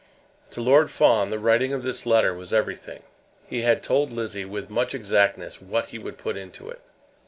To Lord Fawn the writing of this letter was everything. He had told Lizzie, with much exactness, what he would put into it.